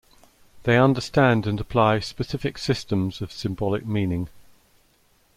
They understand and apply specific systems of symbolic meaning.